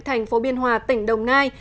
thành phố biên hòa tỉnh đồng nai